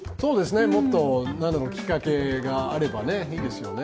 もっときっかけがあればいいですよね。